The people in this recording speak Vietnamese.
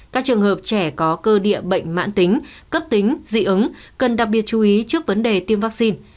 các trường hợp trẻ có cơ địa bệnh mãn tính cấp tính dị ứng cần đặc biệt chú ý trước vấn đề tiêm vaccine